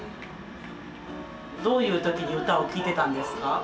どういう時に歌を聴いてたんですか？